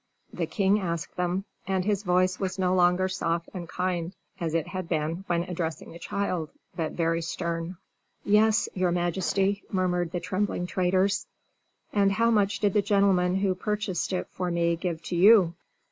the king asked them; and his voice was no longer soft and kind as it had been when addressing the child, but very stern. "Yes, your majesty," murmured the trembling traders. "And how much did the gentleman who purchased it for me give to you?"